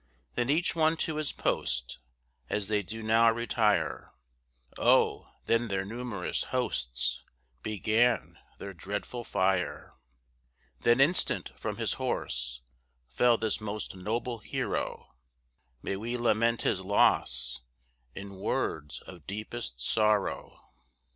Then each one to his post, As they do now retire; Oh, then their numerous hosts Began their dreadful fire. Then instant from his horse, Fell this most noble hero, May we lament his loss In words of deepest sorrow.